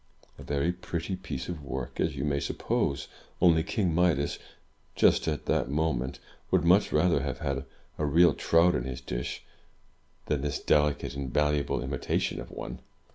A very pretty piece THROUGH FAIRY HALLS of work, as you may suppose; only King Midas, just at that moment, would much rather have had a real trout in his dish than this elaborate and valuable imitation of one.